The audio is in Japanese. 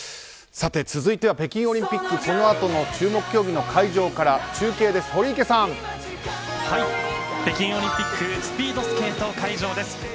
さて、続いては北京オリンピックこのあとの注目競技の会場から北京オリンピックスピードスケート会場です。